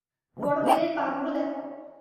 বড় ব্যাঙের পা গুলো দেখো।